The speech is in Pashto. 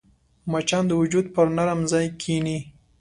مچان د وجود پر نرم ځای کښېني